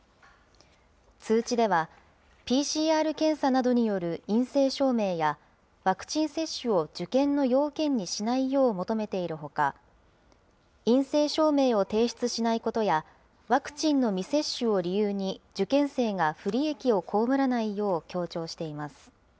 通知では、ＰＣＲ検査などによる陰性証明や、ワクチン接種を受験の要件にしないよう求めているほか、陰性証明を提出しないことや、ワクチンの未接種を理由に受験生が不利益を被らないよう強調しています。